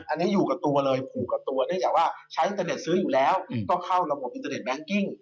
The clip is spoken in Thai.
อันนี้อยู่กับตัวเลยผูกกับตัวเนื่องจากว่าใช้อินเทอร์เน็ตซื้ออยู่แล้วก็เข้าระบบอินเทอร์เน็งกิ้ง